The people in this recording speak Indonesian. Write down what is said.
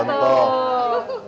apa tuh inovasinya tuh